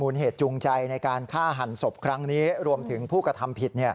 เหตุจูงใจในการฆ่าหันศพครั้งนี้รวมถึงผู้กระทำผิด